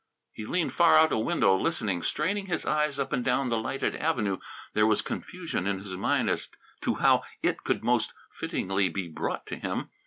He leaned far out a window, listening, straining his eyes up and down the lighted avenue. There was confusion in his mind as to how It could most fittingly be brought to him.